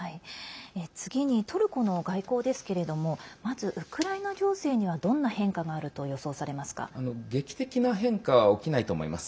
次にトルコの外交ですけれどもまず、ウクライナ情勢にはどんな変化があると劇的な変化は起きないと思います。